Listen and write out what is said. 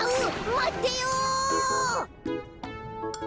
まってよ。